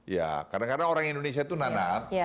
ya kadang kadang orang indonesia itu nana